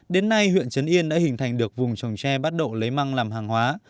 đến nay huyện chân yên đã hình thành được vùng trồng tre bắt độ lấy măng làm hàng hóa